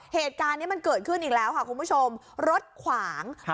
เหตุการณ์นี้มันเกิดขึ้นอีกแล้วค่ะคุณผู้ชมรถขวางครับ